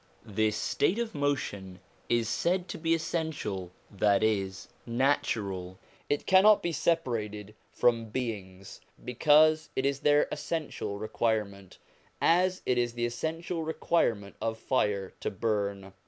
This state of motion is said to be essential that is, natural; it cannot be separated from beings because it is their essential requirement, as it is the essential requirement of fire to burn.